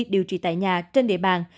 điều trị tại nhà trên địa bàn